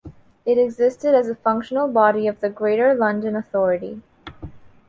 It existed as a functional body of the Greater London Authority.